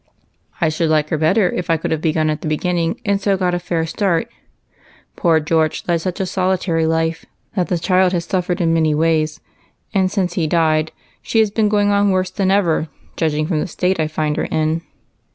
"I should like her better if I could have begun at the beginning, and so got a fair start. Poor George led such a solitary life that the child has suffered in many ways, and since he died she has been going on worse than ever, judging from the state I find her in."